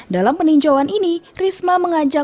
dalam peninjauan ini risma mengajak